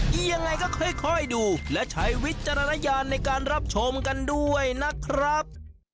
ยังไงก็ค่อยดูและใช้วิจารณญาณในการรับชมกันด้วยนะครับ